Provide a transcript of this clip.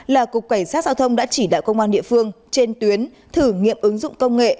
là cục cảnh sát giao thông đã chỉ đạo công an địa phương trên tuyến thử nghiệm ứng dụng công nghệ